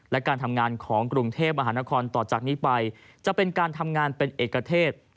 และการทำงานของกรุงเทพมหานครต่อจากนี้ไปจะเป็นการทำงานเป็นเอกเทศ